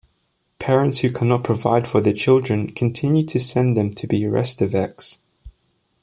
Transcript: Parents who cannot provide for their children continue to send them to be restaveks.